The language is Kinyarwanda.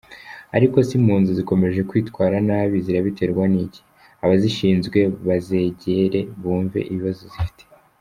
Ariko se ko impunzi zikomeje kwitwara nabi zirabiterwa niki? abazishinzwe bazegere bumve ibibazo zifite.